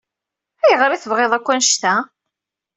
Ayɣer i tebɣiḍ akk annect-a?